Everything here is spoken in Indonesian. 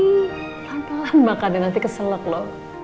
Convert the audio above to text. pelan pelan makan ya nanti keselok lo